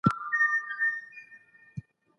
د خلګوله نادانۍ څخه ګټه اخیستل کیږي.